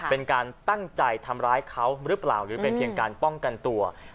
เป็นการตั้งใจทำร้ายเขาหรือเปล่าหรือเป็นเพียงการป้องกันตัว